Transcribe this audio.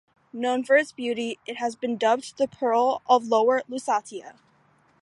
Known for its beauty, it has been dubbed "the Pearl of Lower Lusatia".